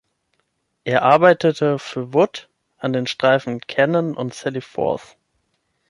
Er arbeitete für Wood an den Streifen „Cannon“ und „Sally Forth“.